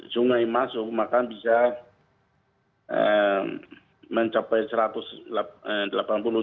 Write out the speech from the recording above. sungai masuk maka bisa mencapai rp satu ratus delapan puluh rp tujuh puluh